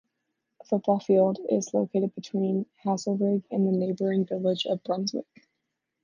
A football field is located between Hazlerigg and the neighbouring village of Brunswick.